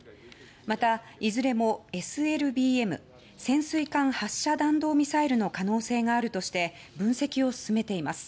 また、いずれもＳＬＢＭ・潜水艦発射弾道ミサイルの可能性があるとして分析を進めています。